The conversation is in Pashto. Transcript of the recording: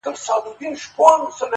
• سـتـــا خــبــــــري دي؛